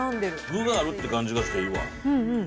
具があるっていう感じがしてええわ。